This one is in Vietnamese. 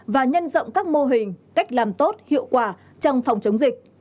và nhân rộng các mô hình cách làm tốt hiệu quả trong phòng chống dịch